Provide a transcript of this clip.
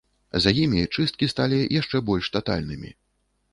За імі чысткі сталі яшчэ больш татальнымі.